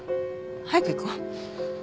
早く行こう。